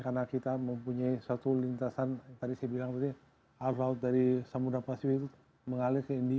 karena kita mempunyai satu lintasan tadi saya bilang tadi al fahd dari samudera pasir itu mengalir ke